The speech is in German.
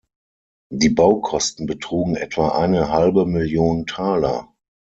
Die Baukosten betrugen etwa eine halbe Million Taler.